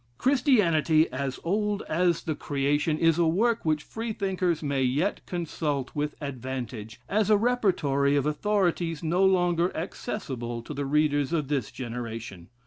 "Christianity as Old as the Creation" is a work which Freethinkers may yet consult with advantage, as a repertory of authorities no longer accessible to the readers of this generation.